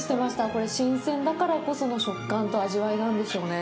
これ、新鮮だからこその食感と味わいなんでしょうね。